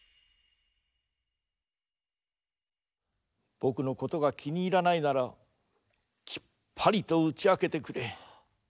ぼくのことがきにいらないならきっぱりとうちあけてくれ。